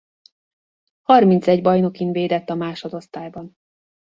Harmincegy bajnokin védett a másodosztályban.